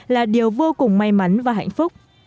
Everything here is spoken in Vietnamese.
là điều vô cùng may mắn và hạnh phúc